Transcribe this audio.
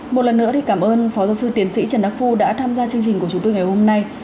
một lần nữa thì cảm ơn phó giáo sư tiến sĩ trần đắc phu đã tham gia chương trình của chúng tôi ngày hôm nay